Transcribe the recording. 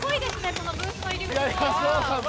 このブースの入り口も。